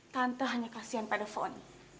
tante hanya kasihan pada foni